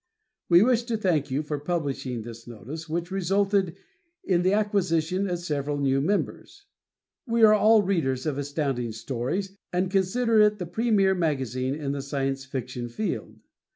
We wish to thank you for publishing this notice, which resulted in the acquisition of several new members. We are all readers of Astounding Stories, and consider it the premier magazine in the Science Fiction field.